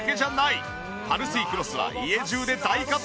パルスイクロスは家中で大活躍。